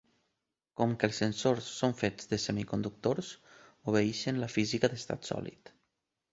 Com que els sensors són fets de semiconductors obeeixen la física d'estat sòlid.